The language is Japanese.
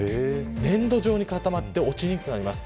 粘土状に固まって落ちにくくなります。